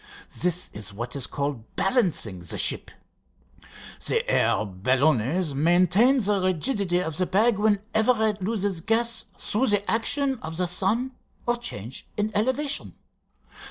This is what is called balancing the ship. The air balloonets maintain the rigidity of the bag whenever it loses gas through the action of the sun or change in elevation.